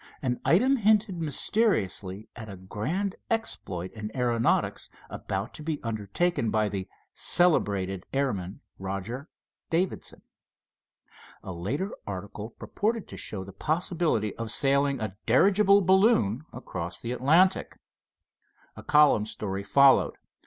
An item hinted mysteriously at a grand exploit in aeronautics about to be undertaken by the "celebrated" airman, Roger Davidson. A later article purported to show the possibility of sailing a dirigible balloon across the Atlantic. A column story followed.